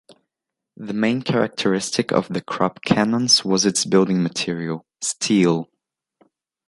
The main characteristic of the Krup cannons was its building material: steel.